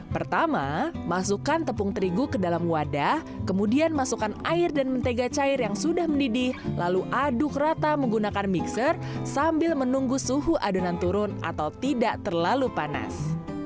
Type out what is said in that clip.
pertama masukkan tepung terigu ke dalam wadah kemudian masukkan air dan mentega cair yang sudah mendidih lalu aduk rata menggunakan mixer sambil menunggu suhu adonan turun atau tidak terlalu panas